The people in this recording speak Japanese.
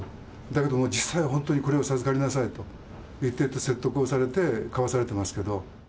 だけども実際は本当にこれを授かりなさいと言って説得をされて買わされてますけど。